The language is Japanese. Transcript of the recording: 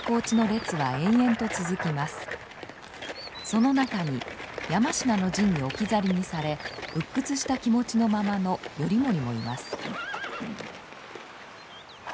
その中に山科の陣に置き去りにされ鬱屈した気持ちのままの頼盛もいます。